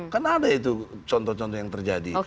kan ada itu contoh contoh yang terjadi